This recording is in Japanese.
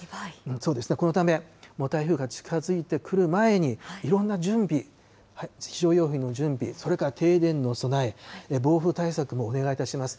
そうですね、このため、もう台風が近づいてくる前に、いろんな準備、非常用品の準備、それから停電への備え、暴風対策もお願いいたします。